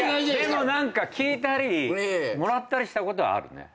でも何か聞いたりもらったりしたことはあるね。